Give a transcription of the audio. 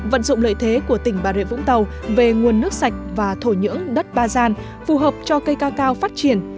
vận dụng lợi thế của tỉnh bà rịa vũng tàu về nguồn nước sạch và thổ nhưỡng đất ba gian phù hợp cho cây cacao phát triển